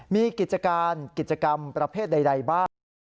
มีกิจการกิจกรรมประเภทใดบ้าง